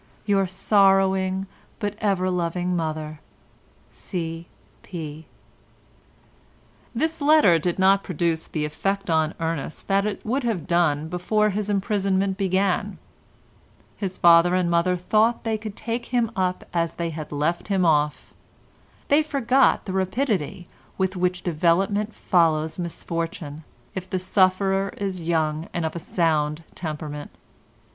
—Your sorrowing but ever loving mother, C. P." This letter did not produce the effect on Ernest that it would have done before his imprisonment began. His father and mother thought they could take him up as they had left him off. They forgot the rapidity with which development follows misfortune, if the sufferer is young and of a sound temperament.